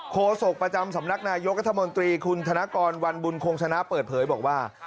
โศกประจำสำนักนายกรัฐมนตรีคุณธนกรวันบุญคงชนะเปิดเผยบอกว่า